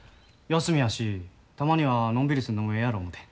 休みやしたまにはのんびりするのもええやろ思て。